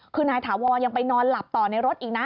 คือนายถาวรยังไปนอนหลับต่อในรถอีกนะ